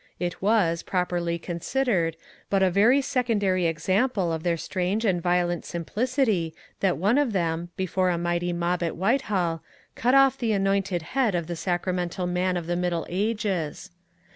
It was, properly considered, but a very secondary example of their strange and violent simplicity that one of them, before a mighty mob at Whitehall, cut off the anointed head of the sacramental man of the Middle Ages.